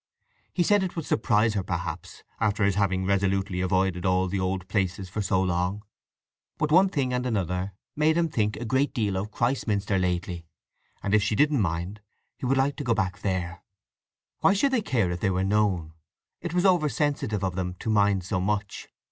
He said it would surprise her, perhaps, after his having resolutely avoided all the old places for so long. But one thing and another had made him think a great deal of Christminster lately, and, if she didn't mind, he would like to go back there. Why should they care if they were known? It was oversensitive of them to mind so much.